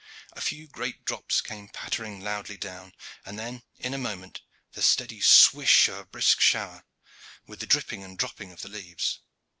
A few great drops came pattering loudly down, and then in a moment the steady swish of a brisk shower, with the dripping and dropping of the leaves.